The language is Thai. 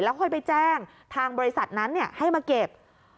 ค่อยไปแจ้งทางบริษัทนั้นให้มาเก็บ